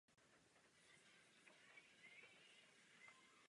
Zadruhé, váš argument ohledně brazilského hovězího mě nepřesvědčil.